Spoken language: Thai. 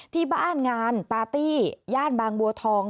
ที่บ้านงานปาร์ตี้ย่านบางบัวทอง